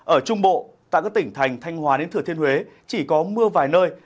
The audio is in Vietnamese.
ở trung bộ tại các tỉnh thành thanh hòa đến thừa thiên huế chỉ có mưa vài nơi